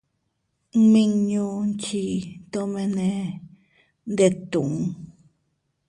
Nmiñu nchii tomene ndetun.